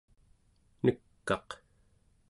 nek'aq